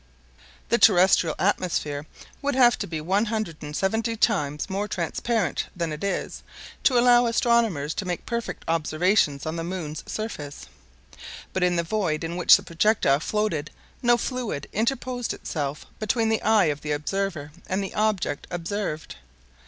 The terrestrial atmosphere would have to be one hundred and seventy times more transparent than it is, to allow astronomers to make perfect observations on the moon's surface; but in the void in which the projectile floated no fluid interposed itself between the eye of the observer and the object observed.